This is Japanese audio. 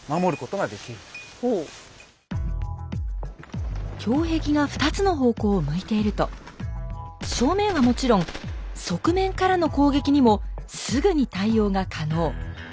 胸壁を胸壁が２つの方向を向いていると正面はもちろん側面からの攻撃にもすぐに対応が可能。